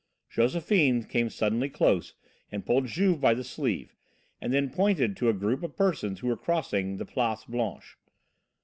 Josephine came suddenly close and pulled Juve by the sleeve, and then pointed to a group of persons who were crossing the Place Blanche.